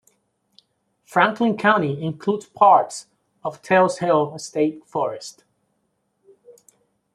Franklin County includes part of Tate's Hell State Forest.